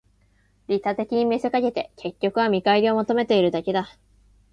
利他的に見せかけて、結局は見返りを求めているだけだ